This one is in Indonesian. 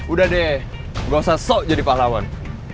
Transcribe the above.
udah deh gua gausah sok jadi pahlawan